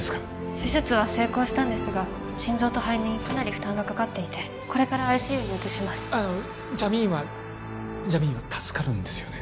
手術は成功したんですが心臓と肺にかなり負担がかかっていてこれからＩＣＵに移しますあのジャミーンはジャミーンは助かるんですよね？